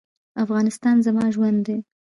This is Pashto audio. افغانستان زما ژوند دی؟